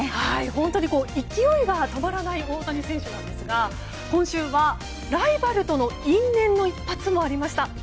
本当に勢いが止まらない大谷選手ですが今週はライバルとの因縁の一発もありました。